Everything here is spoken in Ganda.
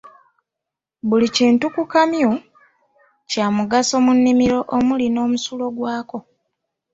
Buli kintu ku kamyu kya mugaso mu nnimiro omuli n'omusulo gwako.